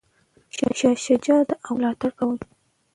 شاه شجاع د هغوی ملاتړ کوي.